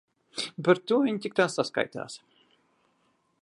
Par to viņa tik tā saskaitās.